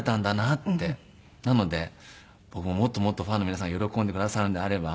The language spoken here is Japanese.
なので僕ももっともっとファンの皆さんが喜んでくださるのであれば。